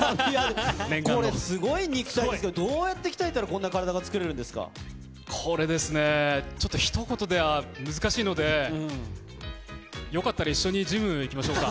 これ、すごい肉体ですけど、どうやって鍛えたら、こんな体が作れるんでこれですね、ちょっとひと言では難しいので、よかったら一緒にジム行きましょうか。